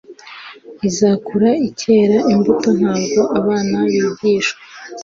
izakura ikera imbuto Ntabwo abana bigishwa